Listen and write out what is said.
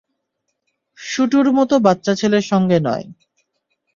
শুটুর মত বাচ্চা ছেলের সঙ্গে নয়।